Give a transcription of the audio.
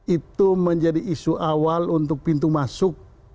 itu menjadi isu awal untuk pintu masuk